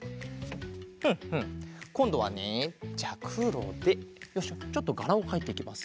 ふんふんこんどはねじゃあくろでちょっとがらをかいていきます。